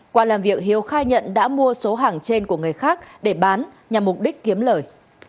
qua làm việc hiếu khai nhận đã mua số hàng trên của người khác để bán nhằm mục đích kiếm lời